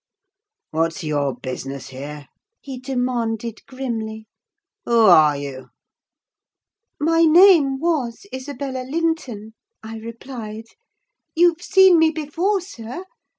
"What's your business here?" he demanded, grimly. "Who are you?" "My name was Isabella Linton," I replied. "You've seen me before, sir.